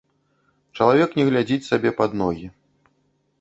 Чалавек не глядзіць сабе пад ногі.